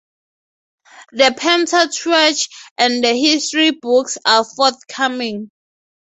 The Pentateuch and the History Books are forthcoming.